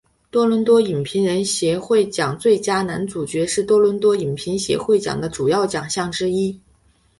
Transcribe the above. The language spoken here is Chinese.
多伦多影评人协会奖最佳男主角是多伦多影评人协会奖的主要奖项之一。